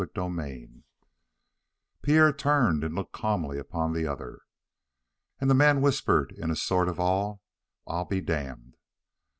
CHAPTER 6 Pierre turned and looked calmly upon the other. And the man whispered in a sort of awe: "Well, I'll be damned!"